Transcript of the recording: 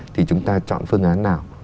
thì chúng ta chọn phương án nào